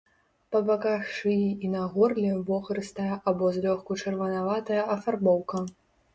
Па баках шыі і на горле вохрыстая або злёгку чырванаватая афарбоўка.